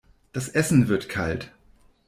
Das Essen wird kalt.